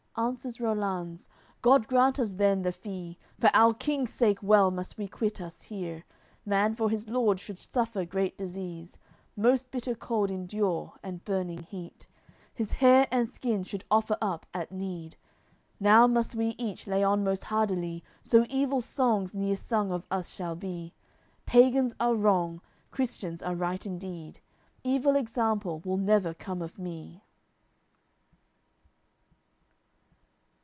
Answers Rollanz: "God grant us then the fee! For our King's sake well must we quit us here; Man for his lord should suffer great disease, Most bitter cold endure, and burning heat, His hair and skin should offer up at need. Now must we each lay on most hardily, So evil songs neer sung of us shall be. Pagans are wrong: Christians are right indeed. Evil example will never come of me."